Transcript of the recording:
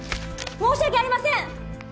申し訳ありません！